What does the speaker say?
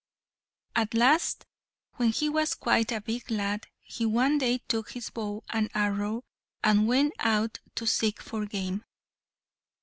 At last, when he was quite a big lad, he one day took his bow and arrow, and went out to seek for game.